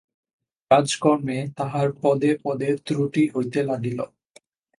কাজকর্মে তাহার পদে পদে ত্রুটি হইতে লাগিল।